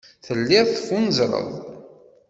Telliḍ teffunzreḍ.